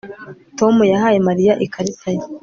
Tom yahaye Mariya ikarita ye